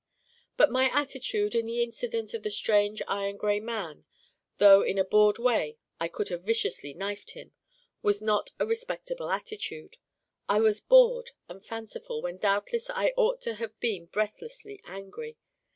But my attitude in the incident of the strange iron gray man, though in a bored way I could have viciously knifed him, was not a Respectable attitude. I was bored and fanciful when doubtless I ought to have been breathlessly angry.